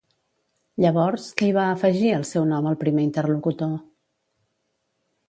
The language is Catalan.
Llavors, què hi va afegir al seu nom el primer interlocutor?